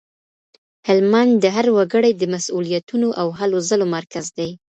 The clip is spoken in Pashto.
هلمند د هر وګړي د مسولیتونو او هلو ځلو مرکز دی.